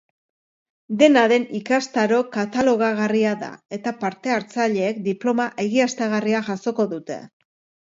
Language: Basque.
Dena den, ikastaro katalogagarria da eta parte-hartzaileek diploma egiaztagarria jasoko dute.